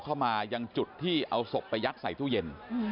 ขอเขามายังจุดที่เอาศพไปยัดใส่ทุ่อน่ะ